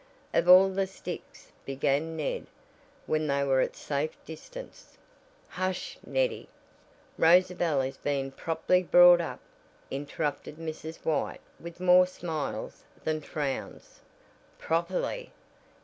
"Of all the sticks," began Ned, when they were at a safe distance. "Hush, Neddie, Rosabel is being properly brought up," interrupted Mrs. White with more smiles than frowns. "Properly!